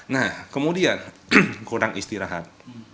nah kemudian kurang istirahat